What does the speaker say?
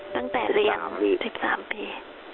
ตั้งแต่เรียน๒๓ปี